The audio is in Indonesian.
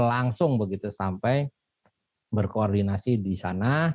langsung begitu sampai berkoordinasi di sana